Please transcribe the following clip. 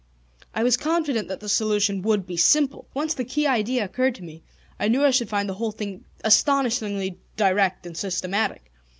I was confident that the solution would be simple. Once the key idea occurred to me I knew I should find the whole thing astonishingly direct and systematic.